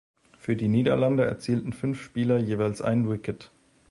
Für die Niederlande erzielten fünf Spieler jeweils ein Wicket.